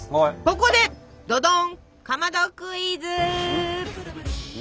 ここでどどんかまどクイズ！